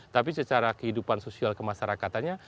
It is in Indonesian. tapi secara kehidupan sosial kemasyarakatannya